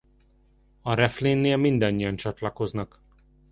A refrénnél mindannyian csatlakoznak.